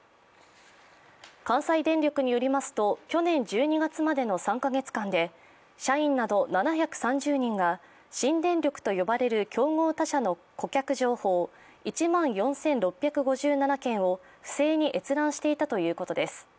関西電力によりますと、去年１２月までの３か月間で社員など７３０人が新電力と呼ばれる競合他社の顧客情報、１万４６５７件を不正に閲覧していたということです。